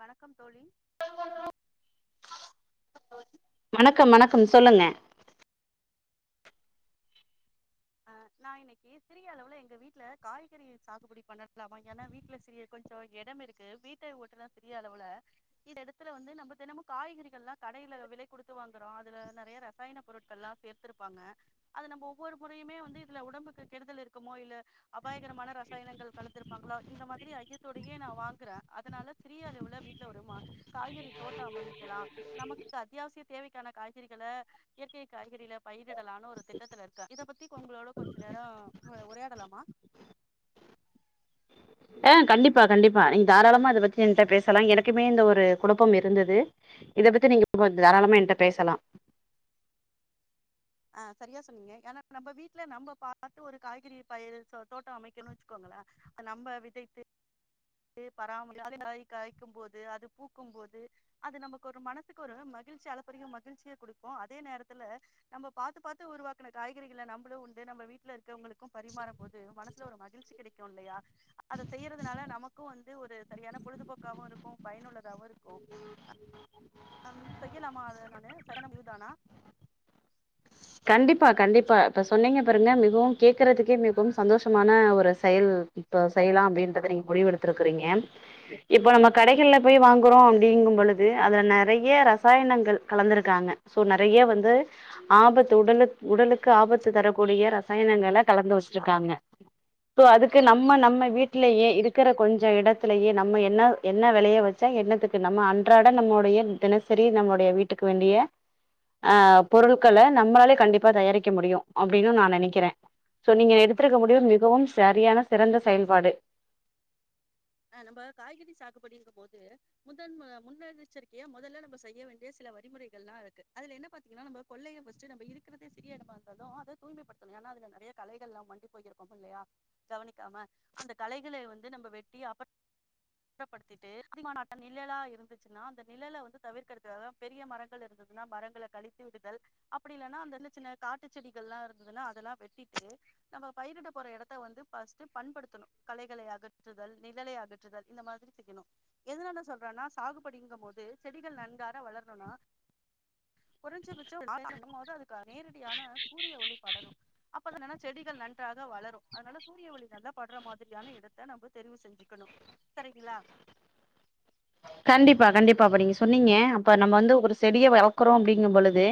வணக்கம் தோழி வணக்கம் வணக்கம் சொல்லுங்க அ நா இன்னைக்கு சிறிய அளவுல எங்க வீட்ல காய்கறி சாகுபடி பண்ணலாமா ஏன்னா வீட்ல சிறிய கொஞ்சோ எடம் இருக்கு வீட்டை ஒட்டுனா சிறிய அளவுல இந்த எடத்துல வந்து நம்ம தெனமு காய்கறிகள்ல்லா கடையில விலை கொடுத்து வாங்கறோ அதுல நெறய ரசாயன பொருட்கள்லாம் சேர்த்திருப்பாங்க அது நம்ம ஒவ்வொரு முறையுமே வந்து இதுல உடம்புக்கு கெடுதல் இருக்குமோ இல்ல அபாயகரமான ரசாயனங்கள் கலந்துருப்பாங்களா இந்த மாதிரி ஐயத்தோடயே நா வாங்கறே அதுனால சிறிய அளவுல வீட்ல ஒரு மா காய்கறி தோட்டம் அமைக்கலா நமக்கு அத்தியாவசிய தேவைக்கான காய்கறிகள இயற்கை காய்கறில பயிரிடலான்னு ஒரு திட்டத்துல இருக்க இத பத்தி உங்களோட கொஞ்ச நேரோ உரையாடலாமா ஆ கண்டிப்பா கண்டிப்பா நீங் தாராளமா அதை பத்தி ஏன்ட்ட பேசலா எனக்குமே இந்த ஒரு குழப்பம் இருந்தது இத பத்தி நீங்க தாராளமா என்கிட்ட பேசலா ஆ சரியா சொன்னீங்க ஏனா நம்ப வீட்ல நம்ம பாத்து ஒரு காய்கறி பயிர தோட்டோ அமைக்கணு வச்சுக்கோங்கள நம்ப விதைத்து பராமரி கா் காய்க்கும் போது அது பூக்கும் போது அது நமக்கு ஒரு மனசுக்கு ஒரு மகிழ்ச்சி அளப்பரிய மகிழ்ச்சிய குடுக்கு அதே நேரத்துல நம்ப பாத்து பாத்து உருவாக்குன காய்கறிகள நம்பளும் உண்டு நம்ம வீட்டுல இருக்கவங்களுக்கு பரிமாறும் போது மனசுல ஒரு மகிழ்ச்சி கிடைக்கு இல்லலையா அத செய்யறதுனால நமக்கு வந்து ஒரு சரியான பொழுதுபோக்காவு இருக்கு பயனுள்ளதாவு இருக்குஅ ந ம் செய்யலாமா அது நானு [unintelligible] கண்டிப்பா கண்டிப்பா இப்ப சொன்னீங்க பாருங்க மிகவும் கேக்குறதுக்கே மிகவும் சந்தோஷமான ஒரு செயல் இப்ப செய்லாம் அப்டின்றத நீங்க முடிவு எடுத்திருக்குறீங்க இப்ப நம்ம கடைகள்ல போய் வாங்குறோ அப்டிங்கும் பொழுது அதுல நெறைய ரசாயனங்கள் கலந்துருக்காங்க சோ நறைய வந்து ஆபத் உடலுக் உடலுக்கு ஆபத்து தரக்கூடிய ரசாயனங்கள கலந்து வச்சிருக்காங்க சோ அதுக்கு நம்ம நம்ம வீட்லயே இருக்கிற கொஞ்ச எடத்திலயே நம்ம என்ன என்ன விளைய வச்சா என்னத்துக்கு நம்ம அன்றாட நம்மடைய தினசரி நம்முடைய வீட்டுக்கு வேண்டிய அ பொருள்கள நம்மளாலே கண்டிப்பா தயாரிக்க முடியு அப்டின்னு நா நெனைக்கறே சோ நீங்க எடுத்திருக்க முடிவு மிகவும் சரியான சிறந்த செயல்பாடு ஹ் நம்ப காய்கறி சாகுபடிங்கு போது முதன் முன்னெச்சரிக்கையா மொதல்ல நம்ம செய்ய வேண்டிய சில வழிமுறைகள்லா இருக்கு அதுல என்ன பாத்தீங்கன்னா நம்ம கொள்ளைய ஃபர்ஸ்ட் நம்ப இருக்கிறதே சிரியடமா இருந்ததும் அத தூய்மைப்படுத்தணு ஏன்னா அதுல நெறையா கலைகள்லாம் மண்டி போயிருக்கு இல்லையா கவனிக்காம அந்த களைகளே வந்து நம்ப வெட்டி அப் [inaudible] சுத்தப்படுத்திட்டு [inaudible] நிழலா இருந்துச்சுன்னா அந்த நிழல வந்து தவிர்க்கற்துக்காக பெரிய மரங்கள் இருந்ததுன்னா மரங்கள கழித்து விடுதல் அப்டி இல்லனா அந்தந்த சின்ன காட்டு செடிகள்லா இருந்ததுன்னா அதெல்லாம் வெட்டிட்டு நம்ம பயிரிட போற இடத்த வந்து ஃபஸ்ட்டு பண்படுத்தணு களைகளை அகற்றுதல் நிழலை அகற்றுதல் இந்த மாதிரி செய்யணு எதுனால சொல்றன்னா சாகுபடிங்கம் போது செடிகள் நன்கார வளரணும்னா கொறஞ்சபட்சம் [inaudible] போது அதுக்கு நேரடியான சூரிய ஒளி படனு அப்பன்னா செடிகள் நன்றாக வளரு அதனால சூரிய ஒளி நல்லா பட்ற மாதிரியான இடத்த நம்ம தெரிவு செஞ் இருக்கணு சரிங்களா கண்டிப்பா கண்டிப்பா இப்ப நீங்க சொன்னீங்க அப்ப நம்ம வந்து ஒரு செடிய வளக்குறோ அப்டிங்கும் பொழுது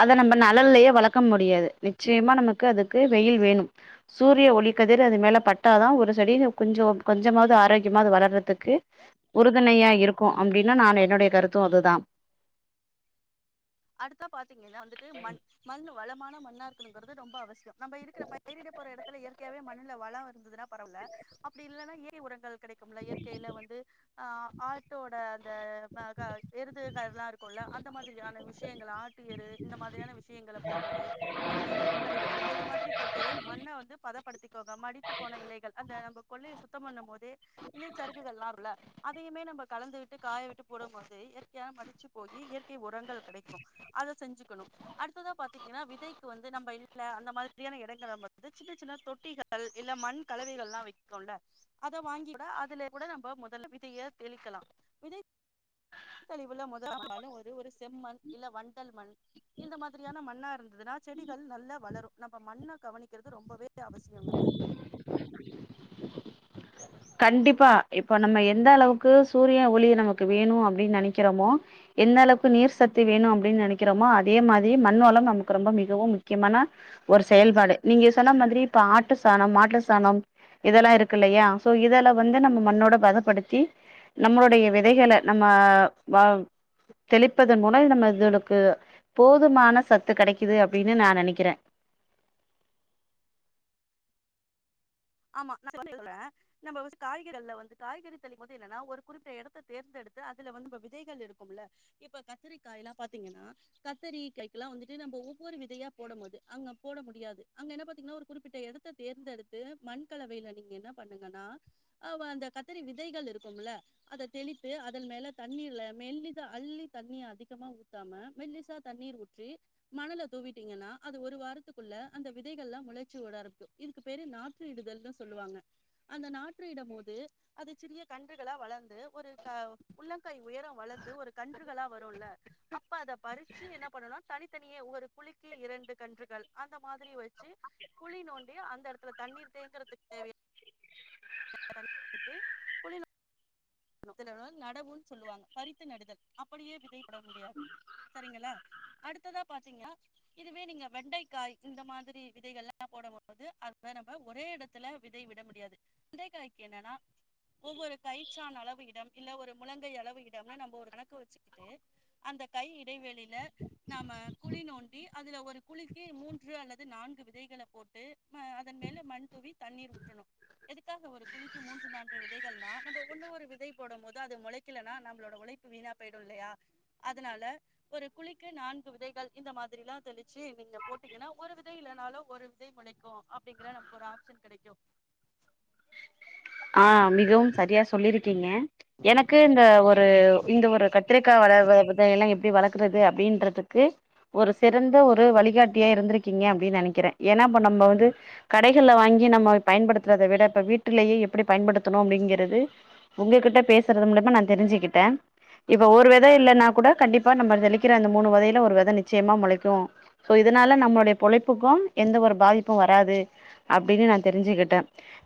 அத நம்ம நழல்லயே வளக்க முடியாது நிச்சயமா நமக்கு அதுக்கு வெயில் வேணும் சூரிய ஒழிக்கதிர் அது மேல பட்டாதா ஒரு செடி கொஞ்சோ கொஞ்சமாவது ஆரோக்கியமாது வளறதுக்கு உறுதுணையா இரு ருக்கு அப்படின்னா நான் என்னுடைய கருத்து அதுதா அடுத்தா பாத்தீங்கன்னா வந்துட்டு மண் மண்ணு வளமான மண்ணா இருக்கணுங்கறது ரொம்ப அவசியம் நம்ம இருக்கிற பயிரிட போற எடத்துல இயற்கையாவே மண்ணுல வள இருந்ததுன்னா பரவால அப்படி இல்லனா இற்கே உரங்கள் கிடைக்கும்ல இயற்கையில வந்து அ ஆட்டோட அந்த ப க எருது கதுல்லா இருக்குல்ல அந்த மாதிரியான விஷ் விஷயங்கள் ஆட்டு எரு இந்த மாதிரியான விஷய் யங்கள போடுறது மக்கிய இலைக்கழிவுகள் இந்த மாதிரி போட்டு மண்ண வந்து பதப் படுத்திக்கோங்க மடித்து போன இலைகள் அந்த நம்ம கொள்ளைய சுத்தம் பண்ணு போதே இலைச்சறுகுகள்லாம்ல அதையுமே நம்ம கலந்து விட்டு காய விட்டு போடும் போது இயற்கையா மடிச்சு போயி இயற்கை உரங்கள் கிடைக்கு அத செஞ்சுக்கணு அடுத்ததா பாத்தீங்னா விதைக்கு வந்து நம்ம வீட்ல அந்த மாதிரியான எடங்கள்ல வந்து சின்ன சின்ன தொட்டிகள் இல்ல மண் கலவைகள்லா விக்கூல்ல அத வாங்கி கூட அதுல கூட நம்ம முதல்ல விதைய தெளிக்கலாம் விதை தெளிவுல மொத [inaudible] ஒரு ஒரு செம்மண் இல்ல வண்டல் மண் இந்த மாத்ரியான மண்ணா இருந்ததுன்னா செடிகள் நல்லா வளரு நம்ம மண்ண கவனிக்கறது ரொம்பவே அவசியங்க கண்டிப்பா இப்ப நம்ம எந்த அளவுக்கு சூரிய ஒளி நமக்கு வேணூ அப்டின்னு நெனைக்கிறமோ எந்த அளவுக்கு நீர் சத்து வேணும் அப்டின்னு நெனைக்கிறமோ அதே மாரி மண் வளம் நமக்கு ரொம்ப மிகவும் முக்கியமான ஒரு செயல்பாடு நீங்க சொன்ன மாத்ரி இப்ப ஆட்டு சாணம் மாட்டு சாணம் இதெல்லா இருக்கில்லையா சோ இதல வந்து நம்ம மண்ணோட பதப்படுத்தி நம்மளுடைய வெதைகள நம்ம வ தெளிப்பதன் மூலம் நம்ம இதளுக்கு போதுமான சத்து கெடைக்குது அப்டின்னு நா நெனைக்றே ஆமா [unintelligible] நம்ப வந்து காய்கறில அதுல வந்து காய்கறி தள்ளி போர்து இல்லன்னா ஒரு குறிப்பிட்ட எடத்த தேர்ந்தெடுத்து அதுல வந்து விதைகள் இருக்கும்ல இப்ப கத்தரி காயெல்லா பாத்தீங்கன்னா கத்தரி காய்கெல்லா வந்துட்டு நம்ம ஒவ்வொரு விதையா போடும் போது அங்க போட முடியாது அங்க என்ன பாத்தீங்கன்னா ஒரு குறிப்பிட்ட எடத்த தேர்ந்தெடுத்து மண்கலவையில நீங்க என்ன பண்ணுங்கன்னா அவ அந்த கத்தரி விதைகள் இருக்கும்ல அத தெளித்து அதன் மேல தண்ணீர்ல மெல்லிதா அள்ளி தண்ணி அதிகமா ஊத்தாம மெல்லிசா தண்ணீர் ஊற்றி மணல தூவிட்டீங்கன்னா அது ஒரு வாரத்துக்குள்ள அந்த விதைகள்லா முளைச்சி உட ஆரம்பிக்கு இதுக்கு பேரு நா ற்று இடுதல்ன்னு சொல்லுவாங்க அந்த நாற்று இடும்போது அது சிறிய கன்றுகளா வளந்து ஒரு உள்ளங்கை உயரம் வளந்து ஒரு கன்றுகளா வரும்ல அப்ப அத பறிச்சு என்ன பண்ணனுனா தனித்தனியே ஒரு குழிக்கு இரண்டு கன்றுகள் அந்த மாத்ரி வச்சு குழி நோண்டி அந்த எடத்துல தண்ணீர் தேங்கறதுக் தேவையா [inaudible] [unintelligible] நடவுன்னு சொல்லுவாங் பரித்து நடுதல் அப்படியே விதைப்பட முடியாது சரிங்களா அடுத்ததா பாத்தீங்கன்னா இதுவே நீங்க வெண்டைக்காய் இந்த மாதிரி விதைகள்லா போடும்போது அதுவ நம்ம ஒரே இடத்துல விதை விட முடியாது வெண்டைக்காய்க்கு என்னன்னா ஒவ்வொரு கய் ச்சான் அளவு இடம் இல்ல ஒரு முழங்கை அளவு இடம்னு நம்ம ஒரு கணக்கு வச்சுக்கிட்டு அந்த கை இடைவெளியில நாம குழி நோண்டி அதுல ஒரு குழிக்கு மூன்று அல்லது நான்கு விதைகள போட்டு ஹ அதன் மேல மண் தூவி தண்ணீர் ஊற்றணும் எதுக்காக ஒரு குழிக்கு மூன்று நான்கு விதைகள்னா நம்ப விதை போடும் போது அது மொளைக்கலனா நம்ளோட உழைப்பு வீணா போயிடு இல்லையா அதனால ஒரு குழிக்கு நான்கு விதைகள் இந்த மாதிரிலா தெளிச்சு [unintelligible] நீங்க போட்டீங்கன்னா ஒரு விதை இல்லைனாலு ஒரு விதை முளைக்கு அப்டிங்கிற நமக்கு ஒரு ஆப்ஷன் கெடைக்கு. ஆஹ் மிகவும் சரியா சொல்லிருக் டீங்க எனக்கு இந்த ஒரு இந்த ஒரு கட் த்திரிக்கா வள வள வெதையெல்லா எப்படி வளர்க்குறது அப்டின்றதுக்கு ஒரு சிறந்த ஒரு வழிகாட்டியா இருந்திருக்கீங்க அப்டின்னு நெனைக்கிறே ஏனா இப்ப நம்ம வந்து கடைகள்ல வாங்கி நம்ம பயன்படுத்துறத விட இப்ப வீட்டுலேயே எப் எப்டி பயன்படுத்தணும் அப்டிங்கறது உங்ககிட்ட பேசறது மூலியமா நா தெரிஞ்சுக்கிட்டே இப்ப ஒரு வெத இல்லன்னா கூட கண்டிப்பா நம்ம தெளிக்கிற அந்த மூனு வெதைல ஒரு வெத நிச்சயமா முளைக்கு சோ இதனால நம்முடைய பொழைப்புக்கு எந்த ஒரு பாதிப்பும் வராது அப்டின்னு நா தெரிஞ்சுக்கிட்டே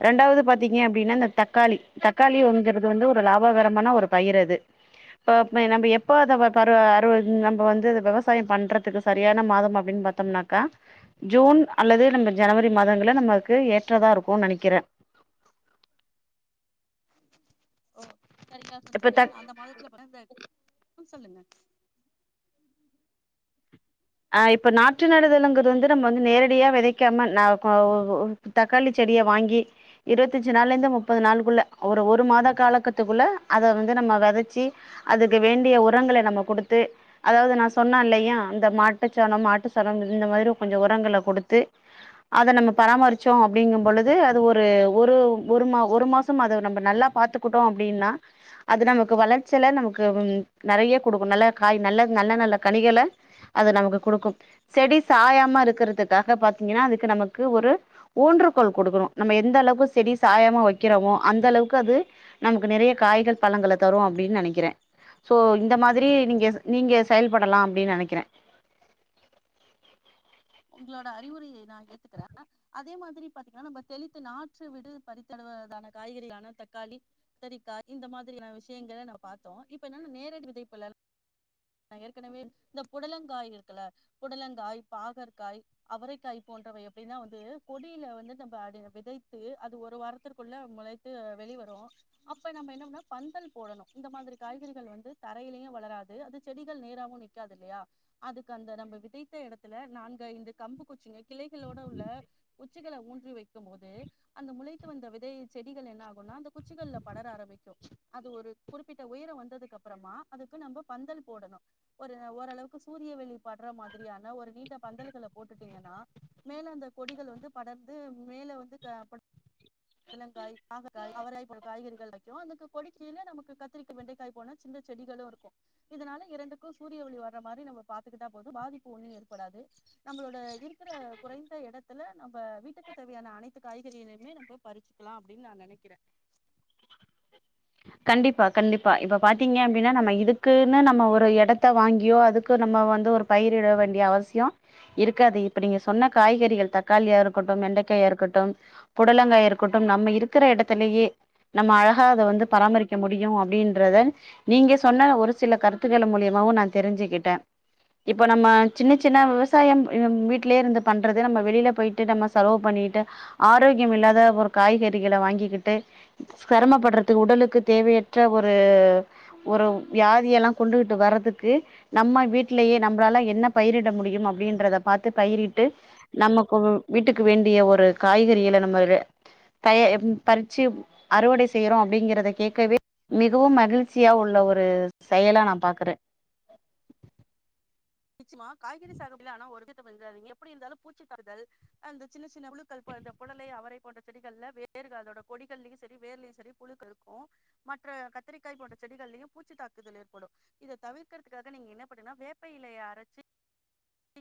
ரெண்டாவது பாத்தீ ஏ அப்டின்னா இந்த தக்காளி தக்காளி ஒங்கறது வந்து ஒரு லாபகரமான ஒரு பயிரது இப்ப நம்ம எப்ப அத வ பருவ அறுவ நம்ம வந்து அது விவசாயம் பண்றதுக்கு சரியான மாதம் அப்படின்னு பாத்தம்னாக்கா ஜூன் அல்லது நம்ம ஜனவரி மாதங்கள நமக்கு ஏற்றதா இருக்குனு நெனக்கிறே ஓ சரிங்க இப்ப சொன்னிங்க தக் அந்த மாதத்துல பொறந்த உம் சொல்லுங்க ஆஹ் இப்ப நாற்று நடுதலுங்கறது வந்து நம்ம வந்து நேரடியா வெதைக்காம ந ப ஒ ஒ தக்காளி செடிய வாங்கி இருவத்தஞ்சு நாள்லருந்து முப்பது நாளுக்குள்ள ஒரு ஒரு மாத காலக்கத்துக்குள்ள அத வந்து நம்ம வெதச்சி அதுக்கு வேண்டிய உரங்கள நம்ம கொடுத்து அதாவது நா சொன்ன இல்லையா இந்த மாட் ஆட்டுச்சாணம் மாட்டுச்சாணம் இந்த மாரி கொஞ்சம் உரங்கள குடுத்து அத நம்ம பராமரிச்சோ அப்டீங்கும் பொழுது அது ஒரு ஒரு ஒரு மா ஒரு மாசம் அத நம்ம நல்லா பாத்துக்குட்டோ அப்டின்னா அது நமக்கு வளர்ச்சல நமக்கு நறையா குடுக்கு நல்ல காய் நல்ல நல்ல நல்ல கணிகள அது நமக்கு குடுக்கும் செடி சாயாம இருக்கிறதுக்காக பாத்தீங்கன்னா அதுக்கு நமக்கு ஒரு ஊன்றுக்கோள் கொடுக்கணும் நம்ம எந்த அளவுக்கு செடி சாயாம வைக்கிறமோ அந்த அளவுக்கு அது நமக்கு நேறைய காய்கள் பழங்கள தரும் அப்படின்னு நினைக்கிறேன் சோ இந்த மாதிரி நீங்க நீங்க செயல்படலாம் அப்படின்னு நேனைக்கிறேன். உங்களோட அறிவுரையை நான் ஏத்துக்கிறேன் அதே மாதிரி பாத்தீங்கன்னா நம்ம தெளித்து நாற்று விடு பறித்தடுவதான காய்கறியான தக்காளி கத்திரிக்காய் இந்த மாதிரியான விஷயங்க நம் பார்த்தோம் இப்ப என்னன்ன நேரடி விதைப்புல ஏற்கனவே இந்த புடலங்காய் இருக்குல புடலங்காய் பாகற். காய்அவரைக்காய் போன்றவை எப்படின்னா வந்து கொடியில வந்து நம்ம அதை விதைத்து அது ஒரு வாரத்திற்குள்ள முளைத்து வெளி வரும் அப்ப நம்ம என்னனா பந்தல் போடணும் இந்த மாதிரி காய்கறிகள் வந்து தரையிலயும் வளராது அது செடிகள் நேராமவும் நிற்காது இல்லையா அதுக்கு அந்த நம்ம விதைத்த இடத்துல நான்கு. கம்பு குச்சிங்க கிளைகளோட உள்ள குச்சிகளை ஊன்றி வைக்கும் போது அந்த முளைத்து வந்த விதை செடிகள் என்ன ஆகும் அந்த குச்சிகள்ல படர ஆரம்பிக்கும் அது ஒரு குறிப்பிட்ட உயிரம் வந்ததுக்கு அப்புறமா அதுக்கு நம்ம பந்தல் போடணும் ஒரு ஓரளவுக்கு சூரியவொலி படுற மாதிரியான ஒரு நீண்ட. பந்தல்களை போட்டுட்டீங்கன்னா மேல அந்த கொடிகள் வந்து படர்ந்து மேல வந்து புடலங்காய். ஆ அவரைக்காய் போன்ற காய்கறிகள். அக்கு கொடிக்கையிலே நமக்கு கத்திரிக்கா வெண்டைக்காய் போன்ற சின்ன செடிகளும் இருக்கும் இதனால இரண்டுக்கும் சூரிய ஒளி வர்ற மாதிரி நம்ம பாத்துக்கிட்டா போது பாதிப்பு ஒண்ணும் ஏற்படாது. நம்மளோட இருக்கிற குறைந்த இடத்துல நம்ம வீட்டுக்கு தேவையான அனைத்து காய்கறிகளையுமே நம்ம பறிச்சுக்கலாம் அப்படின்னு நான் நினைக்கிறேன். கண்டிப்பா கண்டிப்பா இப்ப பாத்தீங்க அப்டின்னா நம்ம இதுக்குன்னு நம்ம ஒரு. இடத்த வாங்கியோ அதுக்கு. நம்ம வந்து ஒரு பயிரிட வேண்டிய அவசியம் இருக்காது இப்ப நீங்க சொன்ன காய்கறிகள் தக்காளியா இருக்கட்டும் வெண்டைக்காயா இருக்கட்டும் புடலங்காயா இருக்கட்டும் நம்ம இருக்கிற இடத்திலயே நம்ம அழகாக அத வந்து. பராமரிக்க முடியும் அப்படின்றத நீங்க சொன்ன ஒரு சில கருத்துக்கள் மூலியமாவும் நான் தெரிஞ்சுக்கிட்டேன் இப்ப நம்ம சின்ன சின்ன விவசாயம் வீட்லயே இருந்து பண்றது நம்ம வெளியில போயிட்டு நம்ம செலவு பண்ணிட்டு ஆரோக்கியம் இல்லாத ஒரு காய்கறிகள வாங்கிக்கிட்டு சிரமப்படுற. உடலுக்கு தேவையற்ற ஒரு ஒரு வியாதிய எல்லாம் கொண்டுகிட்டு வர்றதுக்கு நம்ம வீட்லயே நம்மளால என்ன பயிரிட முடியும் அப்படின்றத பார்த்து பயிரிட்டு நம்மக்கு வீட்டுக்கு வேண்டிய ஒரு காய்கறிகள நம்ம பறிச்சு அறுவடை செய்யறோ அப்படிங்கறத கேட்கவே மிகவும் மகிழ்ச்சியா உள்ள ஒரு செயலா நான் பாக்குறேன். நிச்சிமா காய்கறி சாகுபடில ஆனா ஒரு. வங்க எப்படி இருந்தாலும் பூச்சி தாக்குதல் அந்த சின்ன சின்ன. புழுக்கள் இந்த புடலை அவரைப். போன்ற செடிகள் வேறுக அதோட கொடிகள்யும் சரி வேர்லயும் சரி புழுக்கள் இருக்கும் மற்ற கத்திரிக்காய் போன்ற செடிகள்யும் பூச்சி தாக்குதல் ஏற்படும் இதை தவிர்க்கிறதுக்காக நீங்க என்ன பண்றீங்கனா வேப்ப இலைய. கட்சி. [unintelligible]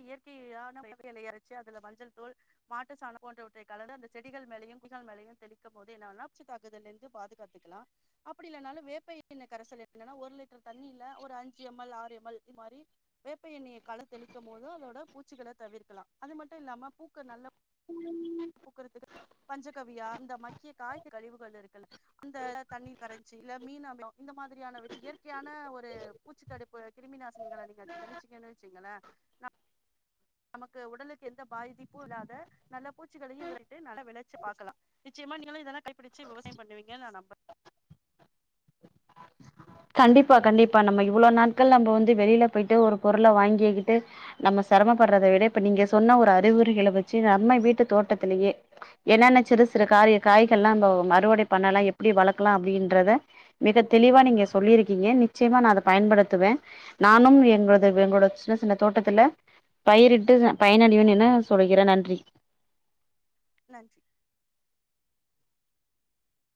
இயற்கையான வேப்பலைய அரச்சி அதுல மஞ்சள் தூள் மாட்டு சாணம் போன்றவற்றை காலந்து அந்த செடிகள் மேலையும் குசால் மேலையும் தெளிக்கும் போது என்னாகும்னா பூச்சி தாக்குதல இருந்து பாதுகாத்துக்கலாம் அப்படி இல்லைனாலு வேப்ப எண்ணெய் கரைசல் என்னன்னா ஒரு லிட்டர் தண்ணில ஒரு அஞ்சு எம்எல் ஆறு எம்எல் இது மாதிரி வேப்ப எண்ணெய கலந்து தெளி. போது அதோட பூச்சிகள தவிர்க்கலாம் அது மட்டும் இல்லாம பூக்கள் நல்லா. பூக்கறதுக்கு பஞ்சகாவிய இந்த மக்கிய காய்கறி கழிவுகள் இருக்குல்ல அந்த தண்ணிர் கரைச்சு இல்ல மீன் அமிலம் இந்த மாதிரியான விட்டு இயற்கையான ஒரு பூச்சித்தடுப்பு கிருமி நாசினி. நீங்கள நீங்க தெளிச்சிங்கேன்ன வச்சுங்களே. ஆஹ். நமக்கு உடலுக்கு எந்த பாதிப்பும் இல்லாத நல்ல பூச்சிகளையும் விரட்டு நல்லா விளைச்சு பார்க்கலாம் நிச்சயமா நீங்களும் இதெல்லாம் கடைப்பிடிச்சு விவசாயம் பண்ணுவீங்கன்னு நான் நம்புறேன். கண்டிப்பா கண்டிப்பா நம்ம இவ்வளவு நாட்கள் நம்ம வந்து வெளியில போயிட்டு ஒரு பொருளை வாங்கிக்கிட்டு நம்ம சிரமப்படுறத விட இப்ப நீங்க சொன்ன ஒரு அறிகுறிகளை வச்சு நம்ம வீட்டு தோட்டத்திலேயே என்னன்ன சிறு சிறு காரிய காய்கள் எல்லாம் நம்ம அறுவடை பண்ணலாம் எப்படி வளர்க்கலாம் அப்படின்றத மிக தெளிவா நீங்க. சொல்லியிருக்கீங்க நிச்சயமா நான் அதை பயன்படுத்துவேன் நானும் எங்கது எங்களோட சின்ன சின்ன தோட்டத்துல பயிரிட்டு பயனடியவேன்னு சொல்லிகிறே நன்றி. நன்றி.